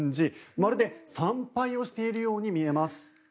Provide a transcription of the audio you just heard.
まるで参拝をしているように見えます。